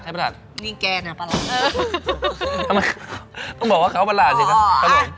นี่แกเนี่ยประหลาดต้องบอกว่าเขาประหลาดใช่ไหม